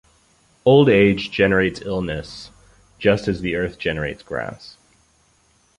Old age generates illness just as the earth generates grass.